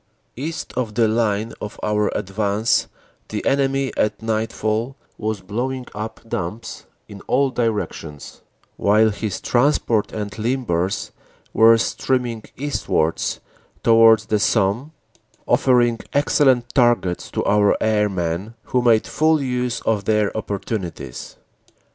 "East of the line of our advance the enemy at nightfall was blowing up dumps in all directions, while his transport and limbers were streaming eastwards towards the Somme, offer ing excellent targets to our airmen, who made full use of their opportunities.